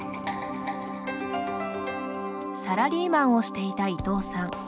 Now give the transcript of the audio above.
サラリーマンをしていた伊藤さん。